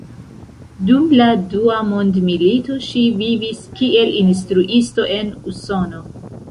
Dum la Dua Mondmilito ŝi vivis kiel instruisto en Usono.